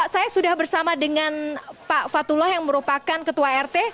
saya sudah bersama dengan pak fatullah yang merupakan ketua rt